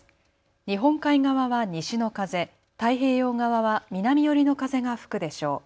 日本海側は西の風、太平洋側は南寄りの風が吹くでしょう。